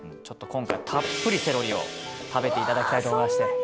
ちょっと今回はたっぷりセロリを食べていただきたいと思いまして。